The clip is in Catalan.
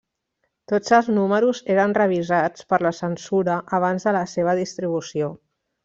Tots els números eren revisats per la censura abans de la seva distribució.